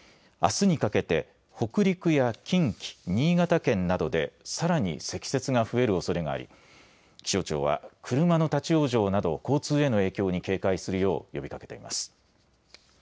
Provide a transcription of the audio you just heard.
あすにかけて北陸や近畿、新潟県などでさらに積雪が増えるおそれがあり気象庁は車の立往生など交通への影響に警戒するよう呼びかけています。